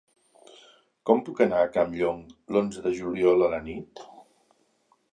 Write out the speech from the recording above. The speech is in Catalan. Com puc anar a Campllong l'onze de juliol a la nit?